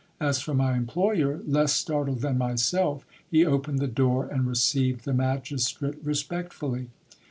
As for my employer, less startled than myself, he opened the door, and received the magis trate respectfully.